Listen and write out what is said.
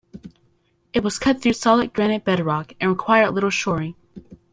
It was cut through solid granite bedrock and required little shoring.